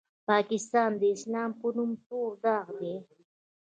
پاکستان د اسلام په نوم تور داغ دی.